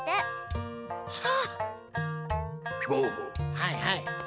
はいはい。